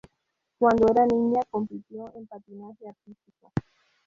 Cuando era niña, compitió en patinaje artístico.